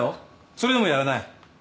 それでもやらない？